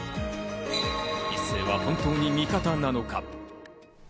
一星は本当に味方なのか？